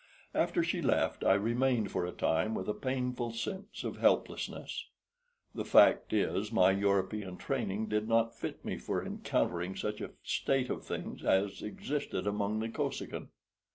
After she left I remained for a time with a painful sense of helplessness. The fact is my European training did not fit me for encountering such a state of things as existed among the Kosekin.